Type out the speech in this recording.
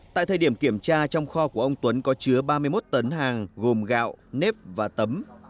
tại thời điểm kiểm tra trong kho của ông tuấn có chứa ba mươi một tấn hàng gồm gạo nếp và tấm